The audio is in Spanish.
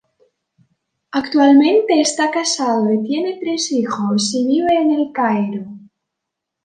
Actualmente está casado y tiene tres hijos, y vive en El Cairo.